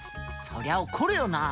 そりゃ怒るよな。